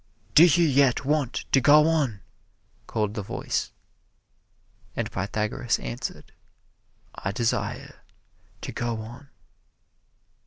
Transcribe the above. "Do you yet want to go on?" called the voice. And Pythagoras answered, "I desire to go on."